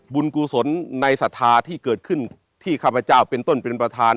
กุศลในศรัทธาที่เกิดขึ้นที่ข้าพเจ้าเป็นต้นเป็นประธาน